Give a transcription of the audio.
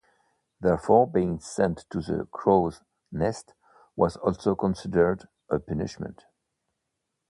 Therefore, being sent to the crow's nest was also considered a punishment.